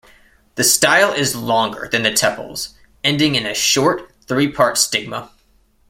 The style is longer than the tepals, ending in a short three-part stigma.